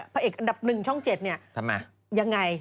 พระเอกอันดับ๑ช่อง๗เนี่ยยังไง